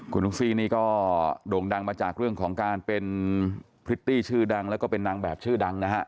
คุณลูกซี่นี่ก็โด่งดังมาจากเรื่องของการเป็นพริตตี้ชื่อดังแล้วก็เป็นนางแบบชื่อดังนะฮะ